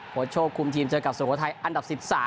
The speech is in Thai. โค้ดโชคคลุมทีมเจอกับส่วนโค้ดไทยอันดับ๑๓